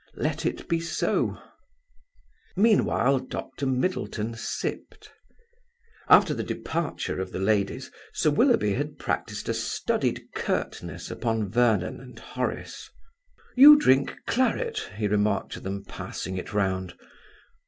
Let it be so. Meanwhile Dr. Middleton sipped. After the departure of the ladies, Sir Willoughby had practised a studied curtness upon Vernon and Horace. "You drink claret," he remarked to them, passing it round.